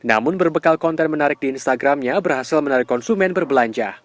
namun berbekal konten menarik di instagramnya berhasil menarik konsumen berbelanja